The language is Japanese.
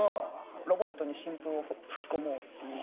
ロボットに新風を吹き込もうっていう。